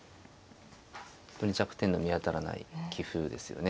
本当に弱点の見当たらない棋風ですよね。